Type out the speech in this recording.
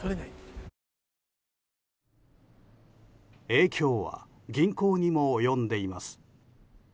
影響は銀行にも及んでいます。